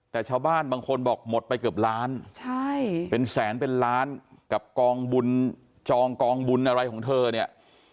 แต่ชาวบ้านบางคนบอกหมดไปเกือบล้านใช่เป็นแสนเป็นล้านกับกองบุญจองกองบุญอะไรของเธอเนี่ย